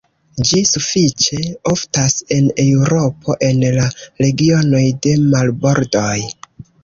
Ĝi sufiĉe oftas en Eŭropo en la regionoj de marbordoj.